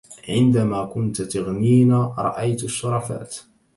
عندما كنت تغنين, رأيت الشرفات